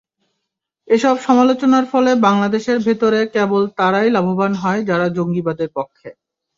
এসব সমালোচনার ফলে বাংলাদেশের ভেতরে কেবল তারাই লাভবান হয়, যারা জঙ্গিবাদের পক্ষে।